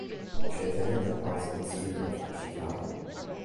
She attended the Art Institute of Chicago.